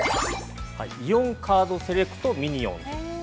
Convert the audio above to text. イオンカードセレクトミニオンズ。